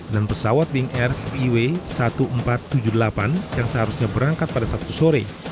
dan pesawat bing airs iw seribu empat ratus tujuh puluh delapan yang seharusnya berangkat pada sabtu sore